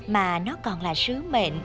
mà nó còn là sứ mệnh